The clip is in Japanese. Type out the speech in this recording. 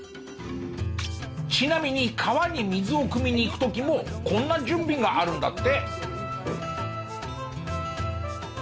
ちなみに川に水をくみに行く時もこんな準備があるんだって。